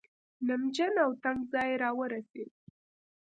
نمجن او تنګ ځای راورسېد.